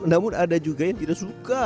namun ada juga yang tidak suka